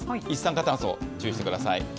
一酸化炭素、注意してください。